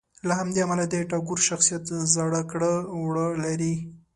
له همدې امله د ټاګور شخصیت زاړه کړه وړه لري.